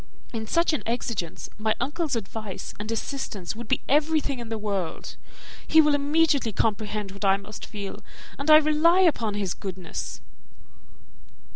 In such an exigence my uncle's advice and assistance would be everything in the world; he will immediately comprehend what I must feel, and I rely upon his goodness."